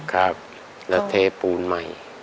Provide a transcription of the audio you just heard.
ครับแล้วเทปูนใหม่